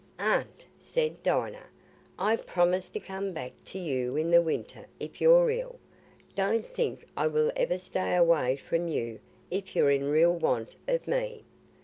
"Aunt," said Dinah, "I promise to come back to you in the winter if you're ill. Don't think I will ever stay away from you if you're in real want of me.